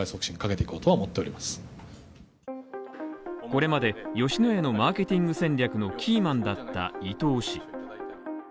これまで吉野家のマーケティング戦略のキーマンだった伊東氏。